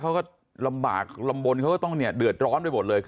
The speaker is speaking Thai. เขาก็ลำบากลำบลเขาก็ต้องเนี่ยเดือดร้อนไปหมดเลย